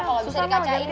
kalo bisa dikacain